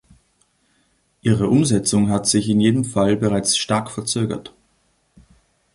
Ihre Umsetzung hat sich in jedem Fall bereits stark verzögert.